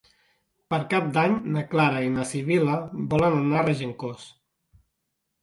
Per Cap d'Any na Clara i na Sibil·la volen anar a Regencós.